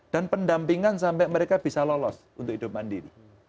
dan pendampingan sampai mereka bisa lolos untuk hidup mandiri